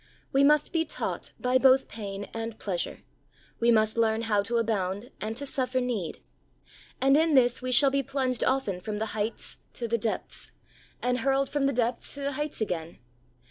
We must be taught by both pain and pleasure, we must learn how to abound and to suffer need. And in this we shall be plunged often from the heights to the depths, and hurled from the depths to the heights again.